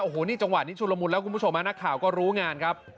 โอ้โหนี่จังหวะนี้ชุลมุนแล้วคุณผู้ชมนักข่าวก็รู้งานครับ